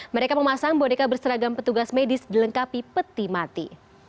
mereka memasang boneka berseragam petugas medis dilengkapi peti mati